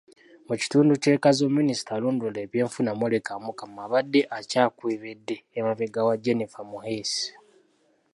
Mu kitundu ky'e Kazo Minisita alondoola ebyenfuna Molly Kamukama, abadde akyakwebedde emabega wa Jennifer Muheesi.